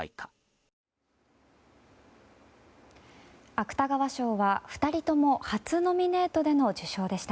芥川賞は２人とも初ノミネートでの受賞でした。